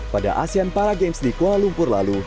pada asean paragames di kuala lumpur lalu